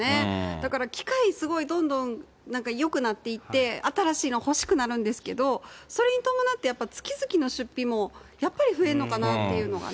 だから機械すごい、どんどんなんかよくなっていって、新しいの欲しくなるんですけど、それに伴ってやっぱり、月々の出費もやっぱり増えるのかなというのがね。